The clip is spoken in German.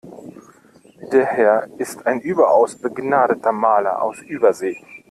Der Herr ist ein überaus begnadeter Maler aus Übersee.